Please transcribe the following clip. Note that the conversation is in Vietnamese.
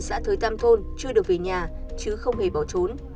xã thới tam thôn chưa được về nhà chứ không hề bỏ trốn